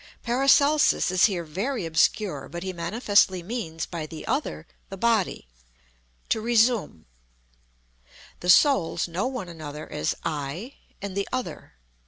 PARACELSUS is here very obscure, but he manifestly means by "the other," the Body. To resume: "The Souls know one another as 'I,' and 'the other.'